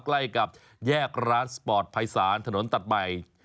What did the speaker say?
ใกล้กับแยกร้านสปอร์ตภัยศาลถนนตัดใหม่